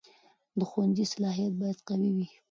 د ښوونځي صلاحیت باید قوي وي.